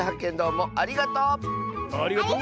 ありがとう！